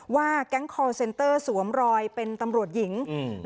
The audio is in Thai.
ว่าแก๊งคอร์เซนเตอร์สวมรอยเป็นตำรวจหญิงอืม